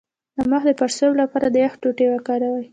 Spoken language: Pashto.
د مخ د پړسوب لپاره د یخ ټوټې وکاروئ